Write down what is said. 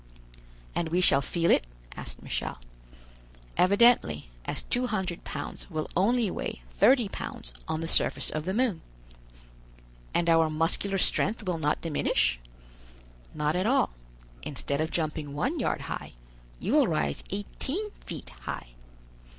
"And we shall feel it?" asked Michel. "Evidently, as two hundred pounds will only weigh thirty pounds on the surface of the moon." "And our muscular strength will not diminish?" "Not at all; instead of jumping one yard high, you will rise eighteen feet high."